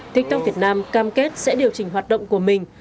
tiktok việt nam cam kết sẽ điều chỉnh hoạt động của mình